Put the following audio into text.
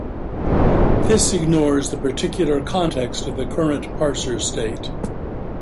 This ignores the particular context of the current parser state.